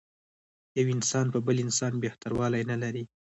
یو انسان په بل انسان بهتر والی نه لري.